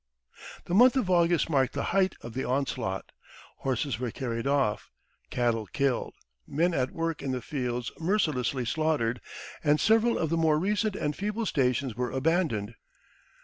The month of August marked the height of the onslaught. Horses were carried off, cattle killed, men at work in the fields mercilessly slaughtered, and several of the more recent and feeble stations were abandoned.